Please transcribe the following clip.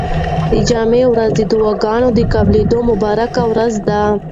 د جمعې ورځ د دعاګانو د قبلېدو مبارکه ورځ ده.